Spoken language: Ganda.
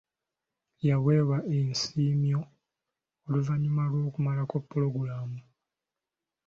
Yaweebwa ensiimyo oluvannyuma lw'okumalako pulogulaamu.